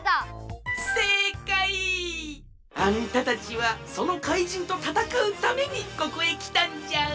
せいかい！あんたたちはそのかいじんとたたかうためにここへきたんじゃ！